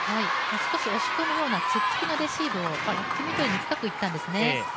少し押し込むようなツッツキのレシーブをミドルに深くいったんですね。